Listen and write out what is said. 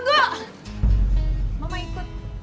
tunggu mama ikut